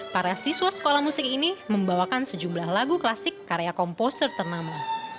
para siswa sekolah musik ini membawakan sejumlah lagu klasik karya komposer ternama